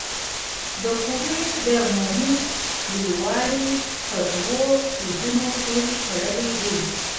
د قوې د مومنټ لویوالی په دوو څیزونو پورې تړلی دی.